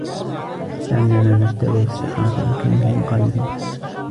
لَعَلَّنَا نَتَّبِعُ السَّحَرَةَ إِنْ كَانُوا هُمُ الْغَالِبِينَ